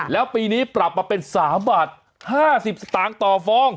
แล้วปีนี้ปรับมาเป็น๓บาท๕๐สตางค์ต่อฟอง